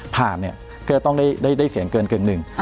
ผ่านเนี่ยก็ต้องได้เสียงเกินนึง